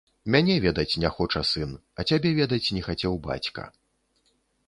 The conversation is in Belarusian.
Мяне ведаць не хоча сын, а цябе ведаць не хацеў бацька.